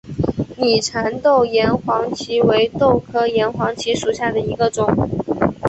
拟蚕豆岩黄耆为豆科岩黄耆属下的一个种。